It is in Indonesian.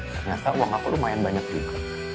ternyata uang aku lumayan banyak juga